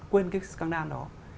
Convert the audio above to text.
quên cái scandal đó